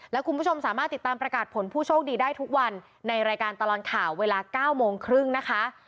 และคุณผู้ชมสามารถติดตามประกาศผลผู้โชคดีได้ทุกวันในรายการตลอดข่าวเวลา๙โมงครึ่งนะคะ